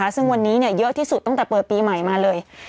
ซึ่งวันนี้เยอะที่สุดตั้งแต่เปิดปีใหม่มาเลย